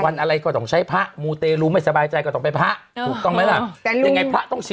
วันอะไรก็ต้องใช้พระมูเตรูไม่สบายใจก็ต้องไปพระถูกต้องไหมล่ะ